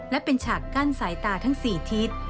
และเป็นฉากกั้นสายตาทั้ง๔ทิศ